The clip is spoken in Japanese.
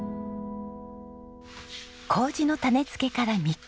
糀の種付けから３日目。